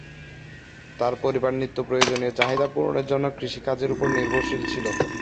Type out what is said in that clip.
তার পরিবার নিত্যপ্রয়োজনীয় চাহিদা পূরণের জন্য কৃষিকাজের ওপর নির্ভরশীল ছিল।